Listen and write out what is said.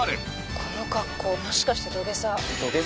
この格好、もしかして土下座？